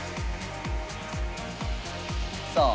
さあ。